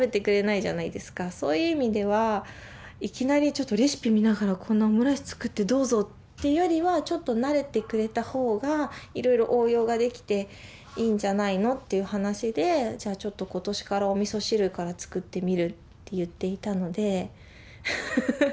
そういう意味ではいきなりちょっとレシピ見ながらこんなオムライス作ってどうぞっていうよりはちょっと慣れてくれた方がいろいろ応用ができていいんじゃないのっていう話でじゃあちょっと今年からおみそ汁から作ってみるって言っていたので。